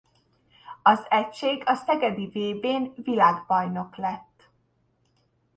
Az egység a szegedi vb-n világbajnok lett.